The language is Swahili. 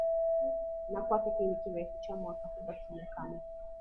na kwa kipindi kirefu cha mwaka hubakia kame